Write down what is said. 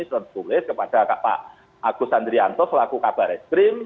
serta tulis kepada pak agus sandrianto selaku kabar es krim